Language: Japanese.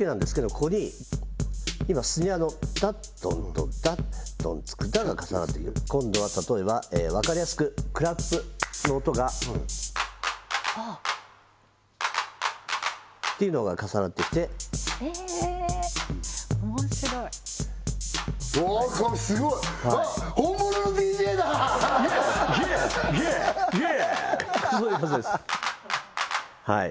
ここに今スネアのダッドンドンダッドンツクダッが重なってくる今度は例えばわかりやすくクラップの音がっていうのが重なってきてえーっおもしろいわあこれすごい！あっ本物のＤＪだ！イエイイエイイエイイエイ！そういう感じですはい